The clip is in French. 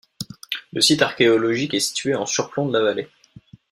Le site archéologique est situé en surplomb de la vallée.